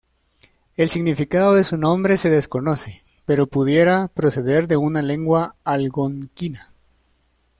El significado de su nombre se desconoce, pero pudiera proceder de una lengua algonquina.